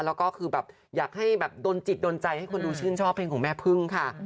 แล้วก็คือแบบอยากให้แบบโดนจิตโดนใจให้คนดูชื่นชอบเพลงของแม่พึ่งค่ะ